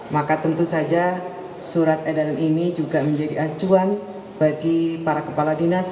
maka tentu saja surat edaran ini juga menjadi acuan bagi para kepala dinas